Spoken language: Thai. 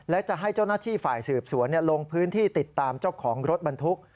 และจะให้เจ้าหน้าที่ฝ่ายสืบสวนลงพื้นที่ติดตามเจ้าของรถบรรทุก